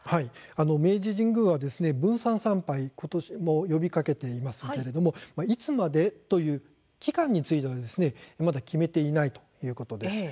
明治神宮は分散参拝ことしも呼びかけていますけれどもいつまでという期間についてはまだ決めていないということです。